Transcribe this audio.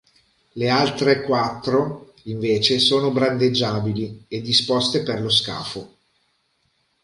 Le altre quattro invece sono brandeggiabili, e disposte per lo scafo.